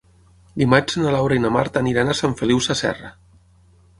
Dimarts na Laura i na Marta aniran a Sant Feliu Sasserra.